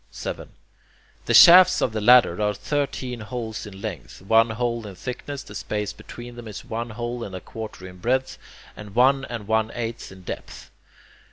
7. The shafts of the "ladder" are thirteen holes in length, one hole in thickness; the space between them is one hole and a quarter in breadth, and one and one eighth in depth.